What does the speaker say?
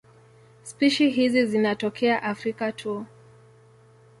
Spishi hizi zinatokea Afrika tu.